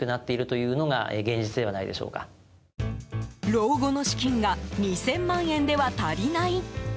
老後の資金が２０００万円では足りない？